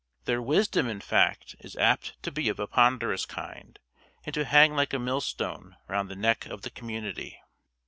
Their wisdom in fact is apt to be of a ponderous kind, and to hang like a millstone round the neck of the community.